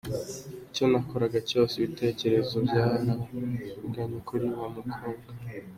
Icyo nakoraga cyose, ibitekerezo byagarukaga kuri wa mukobwa.